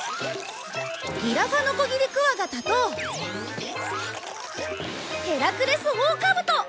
ギラファノコギリクワガタとヘラクレスオオカブト！